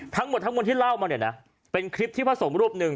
ทั้งหมดทั้งมวลที่เล่ามาเนี่ยนะเป็นคลิปที่พระสงฆ์รูปหนึ่ง